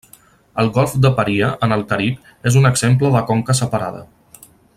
El Golf de Paria, en el Carib és un exemple de conca separada.